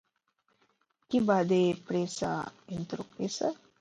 Qui va de pressa, entropessa.